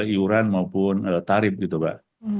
iuran maupun tarif gitu pak